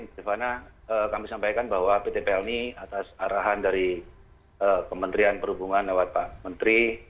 pertama sekali bapak ibu kami sampaikan bahwa pt pelni atas arahan dari kementerian perhubungan lewat pak menteri